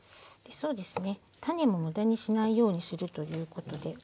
そうですね。